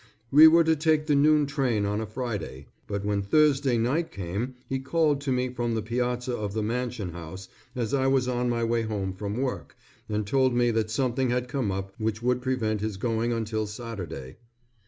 We were to take the noon train on a Friday; but when Thursday night came he called to me from the piazza of the Mansion House as I was on my way home from work, and told me that something had come up which would prevent his going until Saturday.